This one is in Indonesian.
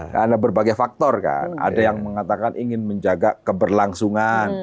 karena ada berbagai faktor kan ada yang mengatakan ingin menjaga keberlangsungan